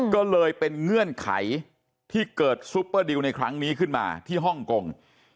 ก็เลยเป็นเงื่อนไขที่เกิดซุปเปอร์ดิวในครั้งนี้ขึ้นมาที่ฮ่องกง